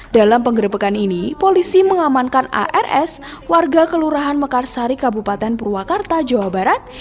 dalam penggerbekan ini polisi mengamankan ars warga kelurahan mekarsari kabupaten purwakarta jawa barat